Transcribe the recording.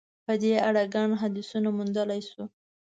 په دې اړه ګڼ حدیثونه موندلای شو.